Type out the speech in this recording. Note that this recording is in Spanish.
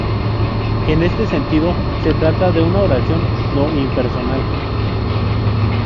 En este sentido, se trata de una oración no-impersonal.